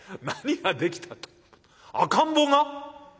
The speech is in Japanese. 何ができたって赤ん坊が？